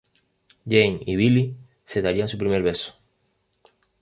Jane y Billy se darían su primer beso.